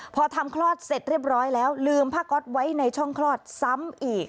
พอทำคลอดเสร็จเรียบร้อยแล้วลืมผ้าก๊อตไว้ในช่องคลอดซ้ำอีก